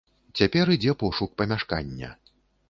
Цяпер ідзе пошук памяшкання.